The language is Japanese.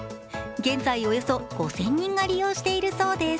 現在、およそ５０００人が利用しているそうです。